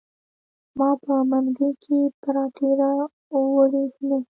ما په منګي کې پراټې راوړي دینه.